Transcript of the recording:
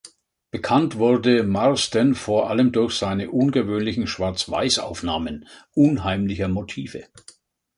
Bekannt wurde Marsden vor allem durch seine ungewöhnlichen Schwarzweiß-Aufnahmen „unheimlicher“ Motive.